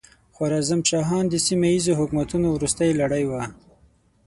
خوارزم شاهان د سیمه ییزو حکومتونو وروستۍ لړۍ وه.